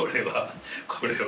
これは。